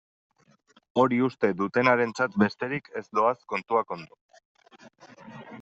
Hori uste dutenarentzat besterik ez doaz kontuak ondo.